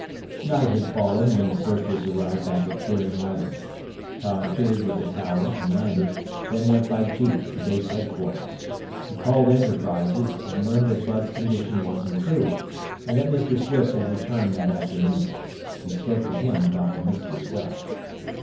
Night had fallen when the searchers arrived back at Fearing Island. Tom cleared with the tower and landed, then went by jeep to base headquarters. He called Enterprises and learned that Bud's condition was improved, and that Mr. Swift had returned that afternoon. He spoke to him about the mystery sub.